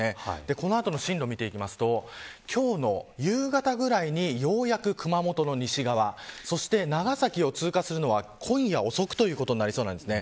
この後の進路見ていきますと今日の夕方ぐらいにようやく熊本の西側そして長崎を通過するのは今夜遅くということになりそうです。